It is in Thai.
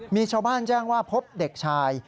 มีชาวบ้านแจ้งว่าพบเด็กชาย